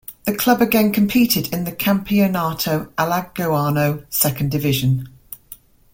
The club again competed in the Campeonato Alagoano Second Division.